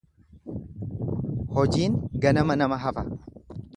Hojiin ganama nama hafa.